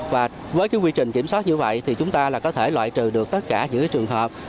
và với quy trình kiểm soát như vậy thì chúng ta có thể loại trừ được tất cả những trường hợp